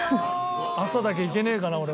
朝だけ行けねえかな俺も。